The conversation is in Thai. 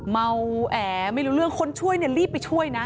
เมาแอไม่รู้เรื่องคนช่วยเนี่ยรีบไปช่วยนะ